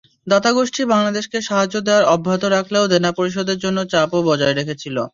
দাতাগোষ্ঠী বাংলাদেশকে সাহায্য দেওয়া অব্যাহত রাখলেও দেনা পরিশোধের জন্য চাপও বজায় রেখেছিল।